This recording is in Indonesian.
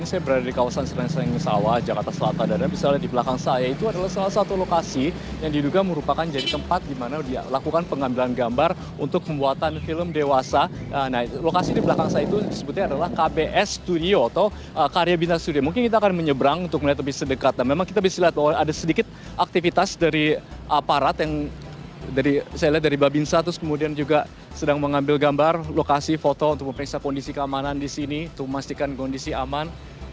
saya lihat dari babinsa terus kemudian juga sedang mengambil gambar lokasi foto untuk memperiksa kondisi keamanan di sini untuk memastikan kondisi aman